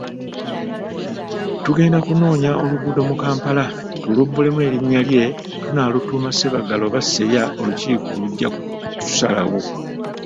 Tugenda kunoonya oluguudo mu Kampala tulubbulemu erinnya lye, tunaalutuuma Sebaggala oba Seya, olukiiko lujjakusalawo.